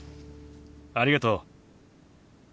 ありがとう。